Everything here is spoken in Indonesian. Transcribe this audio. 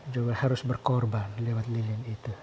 juga harus berkorban lewat lilin itu